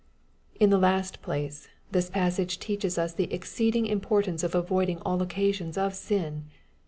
In the last place, this passage teaches us the exceed ing importance of avoiding aU occasions of sin.